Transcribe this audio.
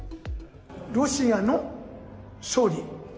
ロシアの勝利。